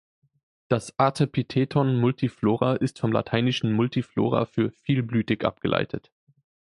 Das Artepitheton "multiflora" ist vom lateinischen "multiflora" für vielblütig abgeleitet.